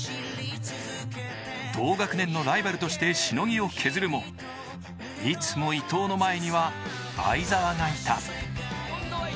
同学年のライバルとしてしのぎを削るもいつも伊藤の前には相澤がいた。